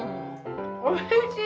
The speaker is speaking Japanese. おいしい。